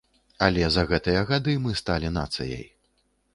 Але за гэтыя гады мы сталі нацыяй.